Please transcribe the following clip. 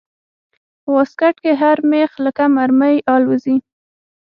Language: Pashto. په واسکټ کښې هر مېخ لکه مرمۍ الوزي.